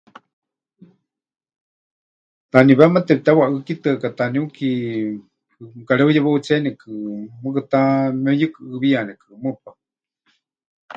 Taniwéma tepɨtewaʼɨ́kitɨaka taniuki mɨkareuyewautseníkɨ, mɨɨkɨ ta memɨyukuʼɨɨwiyanikɨ, mɨpaɨ.